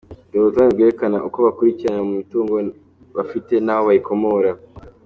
Dore urutonde rwerekana uko bakurikirana mu mitungo bafite n’aho bayikomora.